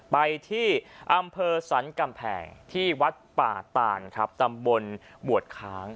ไปที่อำเภอสรรกำแพงที่วัดป่าตานครับตำบลบวชค้าง